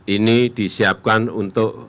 ini disiapkan untuk